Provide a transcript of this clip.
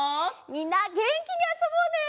みんなげんきにあそぼうね！